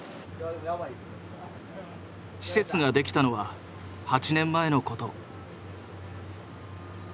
施設ができたのは８年前のこと。